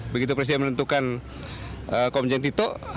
begitu presiden menentukan komjen tito